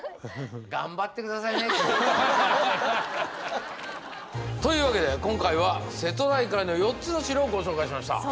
頑張って下さいね。というわけで今回は瀬戸内海の４つの城をご紹介しました。